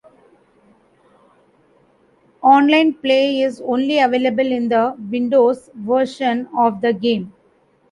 Online play is only available in the Windows version of the game.